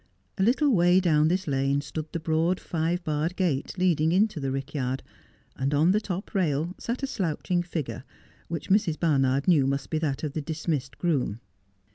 A little way down this lane stood the broad five barred gate leading into the rick yard, and on the top rail sat a slouching figure, which Mrs. Barnard knew must be that of the dismissed groom.